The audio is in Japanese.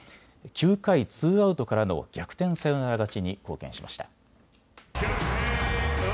９回ツーアウトからの逆転サヨナラ勝ちに貢献しました。